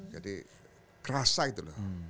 jadi kerasa itu loh